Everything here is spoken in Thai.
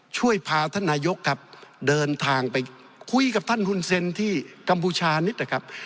ช่วยพาท่านนายกครับเดินทางไปคุยกับท่านหุ้นเซ็นที่กัมพูชานิดนะครับ